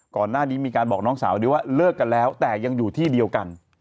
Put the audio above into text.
ก่อนหน้านี้มีการบอกน้องสาวด้วยว่าเลิกกันแล้วแต่ยังอยู่ที่เดียวกัน